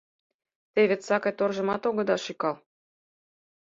Те вет сакый торжымат огыда шӱкал!